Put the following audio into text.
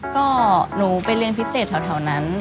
ก็หนูไปเรียนพิเศษแถวนั้น